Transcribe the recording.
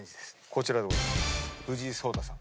こちらでございます。